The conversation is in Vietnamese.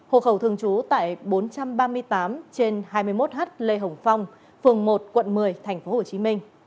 hộ khẩu thường trú tại bốn trăm ba mươi tám trên hai mươi một h lê hồng phong phường một quận một mươi tp hcm